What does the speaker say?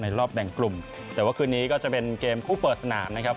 รอบแบ่งกลุ่มแต่ว่าคืนนี้ก็จะเป็นเกมคู่เปิดสนามนะครับ